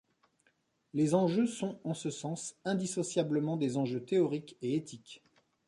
Les enjeux sont, en ce sens, indissociablement des enjeux théoriques et éthiques.